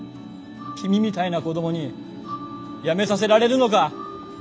君みたいな子供に辞めさせられるのか。